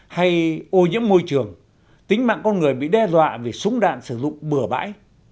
hay ô nhiễm môi trường tính mạng con người bị đe dọa vì súng đạn sử dụng bừa bãi